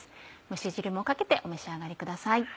蒸し汁もかけてお召し上がりください。